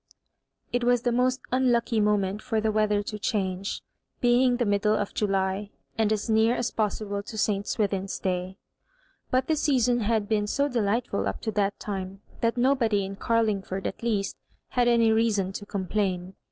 It was the most unlucky moment for the weather to change, being the middle of July, and as near as possible to St Swithin's day ; but the season had been so delightful ap to that time that no body in Garlingford at least had any reason to complain.